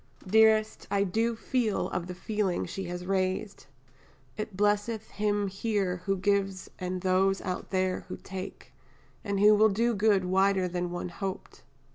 Dearest, I do feel of the feeling she has raised, it blesseth "him here who gives and those out there who take," and will do good wider than one hoped.